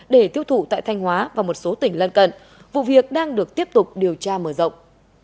để tiêu thụ tại thanh hóa và một số tỉnh lân cận vụ việc đang được tiếp tục điều tra mở rộng